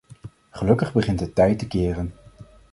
Gelukkig begint het tij te keren.